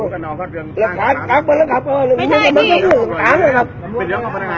กูไม่ได้เรียกเรียนค่ะแล้อก็เป้าหมาย